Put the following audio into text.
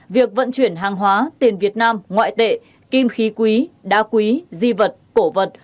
việc vận chuyển hàng hóa tiền việt nam ngoại tệ kim khí quý đá quý di vật cổ vật